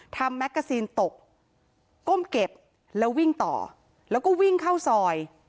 แมกกาซีนตกก้มเก็บแล้ววิ่งต่อแล้วก็วิ่งเข้าซอย